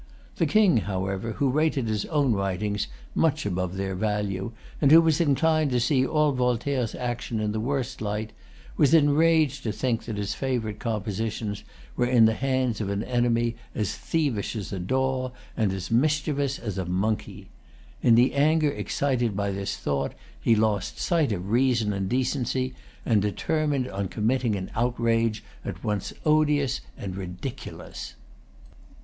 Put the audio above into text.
The King, however, who rated his own writings much above their value, and who was inclined to see all Voltaire's actions in the worst light, was enraged to think that his favorite compositions were in the hands of an enemy, as thievish as a daw and as mischievous as a monkey. In the anger excited by this thought, he lost sight of reason and decency, and determined on committing an outrage at once odious and ridiculous.